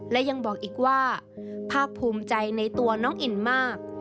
และยังบอกอีกว่าภาคภูมิใจในตัวน้องอินมาก